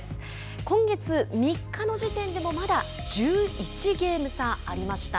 今月３日の時点でもまだ１１ゲーム差ありました。